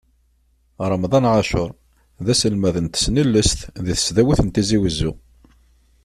Remḍan Ɛacur, d aselmad n tesnilest di tesdawit n Tizi Uzzu.